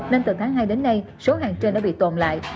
nên từ tháng hai đến nay số hàng trên đã bị tồn lại